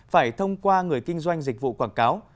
phải thông qua người kinh doanh dịch vụ quảng cáo